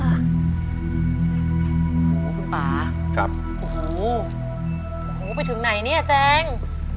โอ้โหคุณป่าครับโอ้โหโอ้โหไปถึงไหนเนี่ยแจง